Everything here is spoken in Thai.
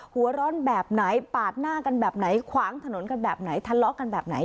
หัวร้อนแบบไหนปาดหน้ากันแบบไหนขวางถนนกันแบบไหนทะเลาะกันแบบไหน